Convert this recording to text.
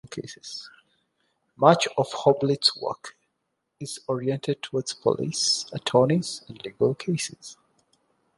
Much of Hoblit's work is oriented towards police, attorneys and legal cases.